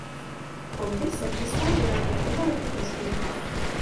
Kombi se přestalo vyrábět o dva roky později.